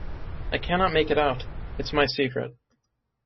I cannot make it out.’ ‘It’s my secret'.